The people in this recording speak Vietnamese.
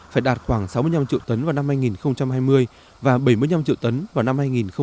phải đạt khoảng sáu mươi năm triệu tấn vào năm hai nghìn hai mươi và bảy mươi năm triệu tấn vào năm hai nghìn ba mươi